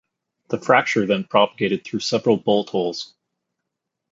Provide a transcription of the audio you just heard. The fracture then propagated through several bolt holes.